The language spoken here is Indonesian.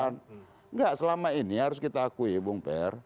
tidak selama ini harus kita akui bung per